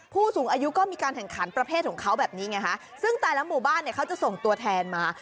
ผู้สูงอายุก็มีการแข่งขันประเภทของเขาแบบนี้ไงฮะซึ่งแต่ละหมู่บ้านเนี่ยเขาจะส่งตัวแทนมา